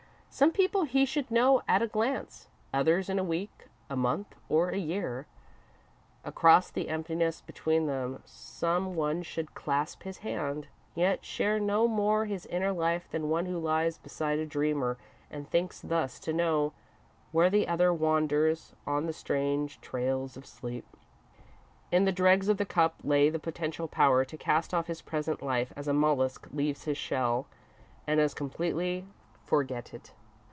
Some people he should know at a glance, others in a week, a month, or a year. Across the emptiness between them, some one should clasp his hand, yet share no more his inner life than one who lies beside a dreamer and thinks thus to know where the other wanders on the strange trails of sleep. In the dregs of the Cup lay the potential power to cast off his present life as a mollusk leaves his shell, and as completely forget it.